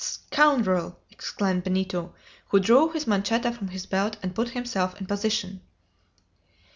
"Scoundrel!" exclaimed Benito, who drew his manchetta from his belt and put himself in position.